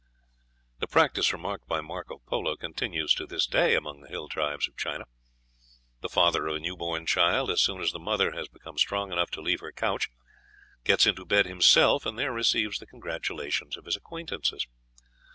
The practice remarked by Marco Polo continues to this day among the hill tribes of China. "The father of a new born child, as soon as the mother has become strong enough to leave her couch, gets into bed himself, and there receives the congratulations of his acquaintances."